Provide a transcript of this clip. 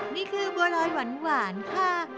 นี่คือบัวรอยหวานค่ะ